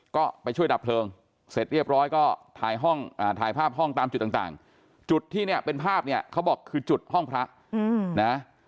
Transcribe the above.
ก็ไปช่วยดับเพลิงเสร็จเรียบร้อยก็ถ่ายห้องถ่ายภาพห้องตามจุดต่างจุดที่เนี่ยเป็นภาพเนี่ยเขาบอกคือจุดห้องพระนะ